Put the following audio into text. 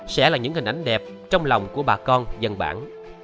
sẽ là những hình ảnh đẹp trong lòng của bà con dân bản